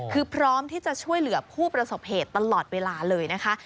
คือพร้อมที่จะช่วยเหลือผู้ประสบเหตุตลอดเวลาเลยนะคะ